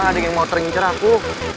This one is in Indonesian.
gila ada yang mau terincer aku